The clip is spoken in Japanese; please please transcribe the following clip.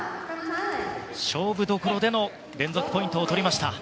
勝負どころで連続ポイントを取りました。